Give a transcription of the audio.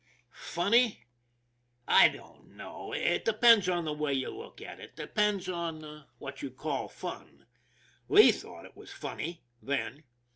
Funny? I don't know; it depends on the way you look at it, depends on what you call fun. Lee thought it was funny then.